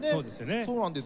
そうなんですよ。